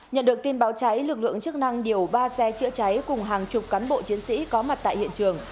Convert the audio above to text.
nhận được tin báo cháy lực lượng chức năng điều ba xe chữa cháy cùng hàng chục cán bộ chiến sĩ có mặt tại hiện trường